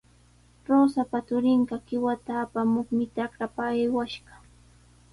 Rosapa turinqa qiwata apamuqmi trakrapa aywashqa.